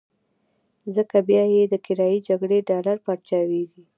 ځکه بيا یې د کرايي جګړې ډالر پارچاوېږي.